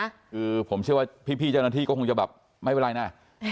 คือผมเชื่อว่าพี่เจ้าหน้าที่ก็คงจะแบบไม่เป็นไรนะ